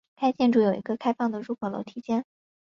该建筑有一个开放的入口楼梯间。